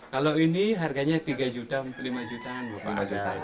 kalau ini harganya tiga juta lima jutaan